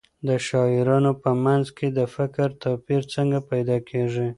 د شاعرانو په منځ کې د فکر توپیر څنګه پیدا کېږي؟